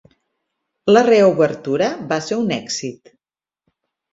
La reobertura va ser un èxit.